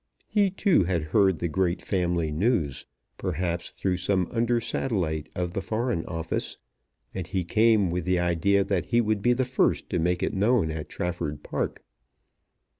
He, too, had heard the great family news, perhaps through some under satellite of the Foreign Office, and he came with the idea that he would be the first to make it known at Trafford Park.